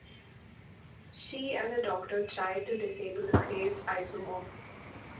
She and the Doctor try to disable the crazed isomorph.